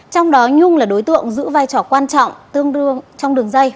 trong đó nhung là đối tượng giữ vai trò quan trọng tương đương trong đường dây